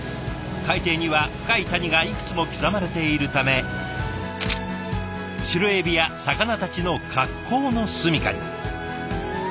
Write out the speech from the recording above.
海底には深い谷がいくつも刻まれているためシロエビや魚たちの格好の住みかに。